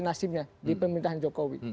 nasibnya di pemerintahan jokowi